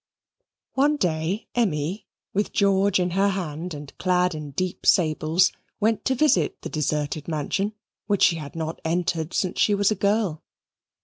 One day Emmy, with George in her hand and clad in deep sables, went to visit the deserted mansion which she had not entered since she was a girl.